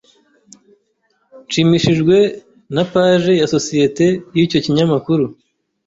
Nshimishijwe na page ya societe yicyo kinyamakuru.